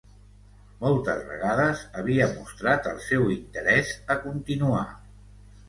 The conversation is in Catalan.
Moltes vegades havia mostrat el seu interès a continuar.